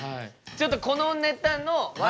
ちょっとこのネタの笑